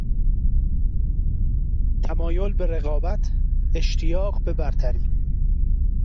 تمایل به رقابت، اشتیاق به برتری